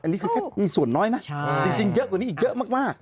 อันนี้คือแค่มีส่วนน้อยนะจริงเยอะกว่านี้อีกเยอะมาก